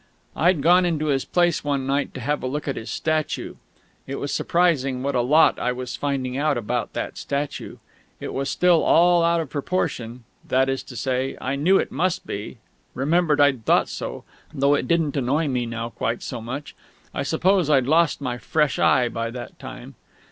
I'd gone into his place one night to have a look at his statue. It was surprising what a lot I was finding out about that statue. It was still all out of proportion (that is to say, I knew it must be remembered I'd thought so though it didn't annoy me now quite so much. I suppose I'd lost my fresh eye by that time).